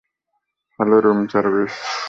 Hello, room service.